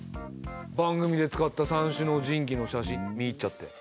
番組で使った「三種の神器」の写真見入っちゃって。